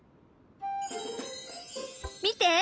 見て！